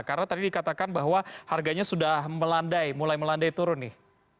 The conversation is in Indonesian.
karena tadi dikatakan bahwa harganya sudah melandai mulai melandai turun nih